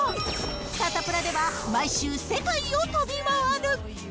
サタプラでは毎週、世界を飛び回る。